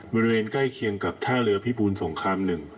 บริเวณใกล้เคียงกับท่าเรือพิบูลสงคราม๑